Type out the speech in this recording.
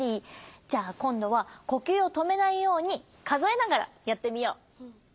じゃあこんどはこきゅうをとめないようにかぞえながらやってみよう！